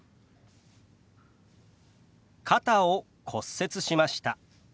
「肩を骨折しました」。